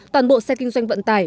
toàn bộ xe kinh doanh vận tải